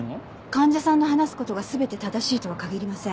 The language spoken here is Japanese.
患者さんの話す事が全て正しいとは限りません。